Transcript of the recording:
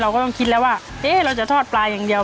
ก็ต้องคิดแล้วว่าเอ๊ะเราจะทอดปลาอย่างเดียว